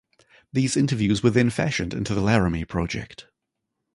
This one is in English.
These interviews were then fashioned into "The Laramie Project".